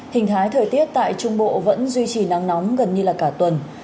hình thái thời tiết tại trung bộ vẫn duy trì nắng nóng gần như là cả tuần